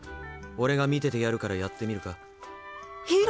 オレが見ててやるからやってみるか？